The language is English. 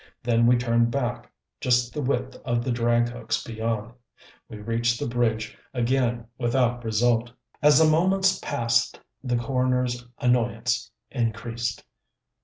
Then we turned back, just the width of the drag hooks beyond. We reached the Bridge again without result. As the moments passed the coroner's annoyance increased.